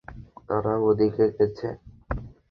তারা ওদিকে গেছে।